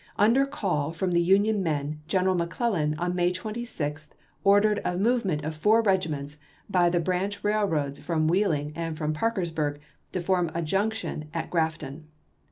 Under call from the Union men 186L General McClellan, on May 26, ordered a move ment of four regiments by the branch railroads from Wheeling and from Parkersburg to form a junction at Grafton.